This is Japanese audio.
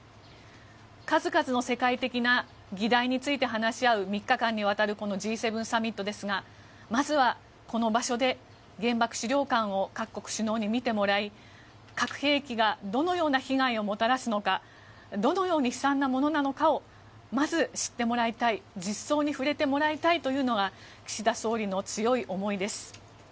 数々の世界的な議題について話し合う３日間にわたるこのＧ７サミットですがまずはこの場所で原爆資料館を各国首脳に見てもらい核兵器がどのような被害をもたらすのかどのように悲惨なものなのかをまず知ってもらいたい実相に触れてもらいたいというのが岸田総理の強い思いです。